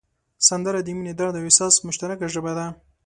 سندره د مینې، درد او احساس مشترکه ژبه ده